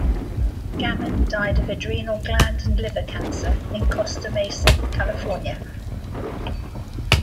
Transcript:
Gammon died of adrenal gland and liver cancer in Costa Mesa, California.